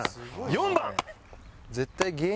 ４番。